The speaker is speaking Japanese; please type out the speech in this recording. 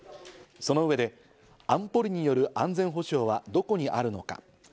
その上で安保理による安全保障はどこにあるのか。